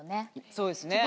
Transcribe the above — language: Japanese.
そうですね。